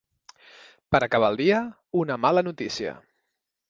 Per acabar el dia, “una mala notícia”.